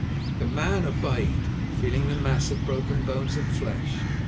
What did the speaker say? The man obeyed, feeling at the mass of broken bones and flesh.